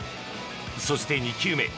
そして、２球目。